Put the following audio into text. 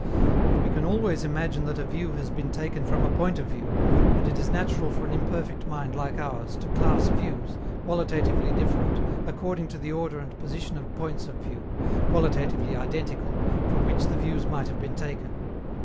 But we can always imagine that a view has been taken from a point of view, and it is natural for an imperfect mind like ours to class views, qualitatively different, according to the order and position of points of view, qualitatively identical, from which the views might have been taken.